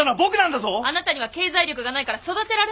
あなたには経済力がないから育てられないでしょ。